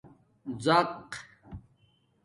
ڎَق